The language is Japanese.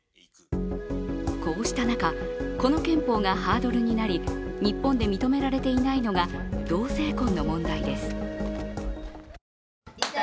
こうした中、この憲法がハードルになり、日本で認められていないのが同性婚の問題です。